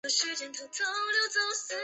判官李恕劝谏他归顺中原。